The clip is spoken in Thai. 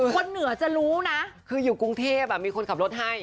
คืออยู่กรุงเทพอ่ะมีคนขับรถให้